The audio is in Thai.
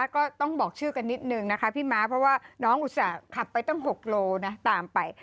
ก็ต้องบอกชื่อกันนิดนึงนะคะพี่ม้าเพราะว่าน้องอุตส่าห์ขับไปตั้ง๖โลนะตามไป